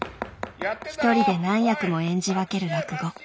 一人で何役も演じ分ける落語。